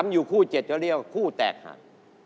อยู่คู่๗จะเรียกว่าคู่แตกหัก